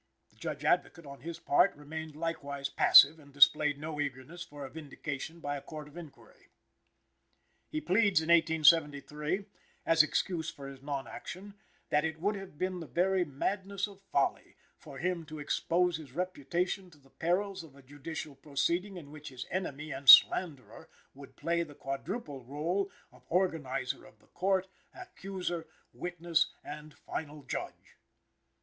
The Judge Advocate, on his part, remained likewise passive and displayed no eagerness for a vindication by a court of inquiry. He pleads in 1873, as excuse for his non action, that "it would have been the very madness of folly" for him "to expose his reputation to the perils of a judicial proceeding in which his enemy and slanderer would play the quadruple role of organizer of the court, accuser, witness and final judge."